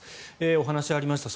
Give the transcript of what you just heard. お話がありました